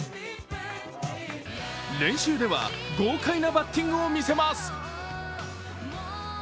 練習では豪快なバッティングを見せます。